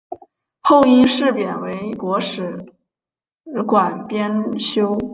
后因事贬为国史馆编修。